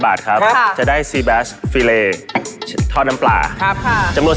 อาจารย์ต้องลงอย่างนี้อาจารย์